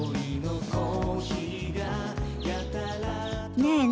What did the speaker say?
ねえね